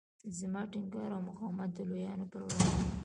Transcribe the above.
زما ټینګار او مقاومت د لویانو پر وړاندې.